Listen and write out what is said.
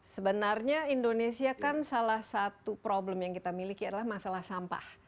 sebenarnya indonesia kan salah satu problem yang kita miliki adalah masalah sampah